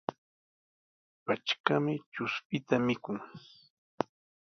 Patrkami chuspita mikun.